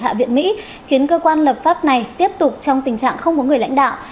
hạ viện mỹ khiến cơ quan lập pháp này tiếp tục trong tình trạng không có người lãnh đạo